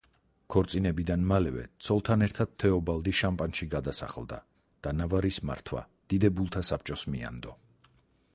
ქორწინებიდან მალევე ცოლთან ერთად თეობალდი შამპანში გადასახლდა და ნავარის მართვა დიდებულთა საბჭოს მიანდო.